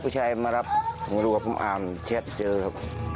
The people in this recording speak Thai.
จุธโตโดยโตโดยโต